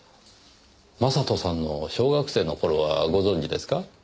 将人さんの小学生の頃はご存じですか？